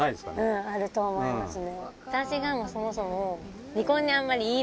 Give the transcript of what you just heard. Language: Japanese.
うんあると思いますね。